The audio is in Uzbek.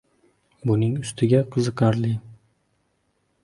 Buning ustiga, qiziqarli.